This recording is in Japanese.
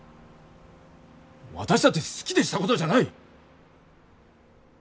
私だって好きでしたことじゃない。